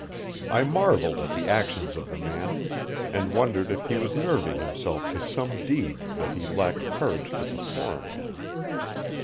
I marveled at the actions of the man, and wondered if he was nerving himself to some deed that he lacked courage to perform.